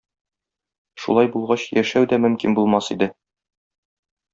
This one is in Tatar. Шулай булгач яшәү дә мөмкин булмас иде.